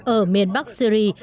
ở miền bắc syria